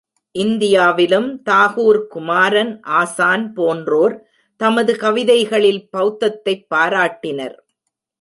இந்தியாவிலும் தாகூர், குமாரன் ஆசான் போன்றோர் தமது கவிதைகளில் பெளத்தத்தைப் பாராட்டினர்.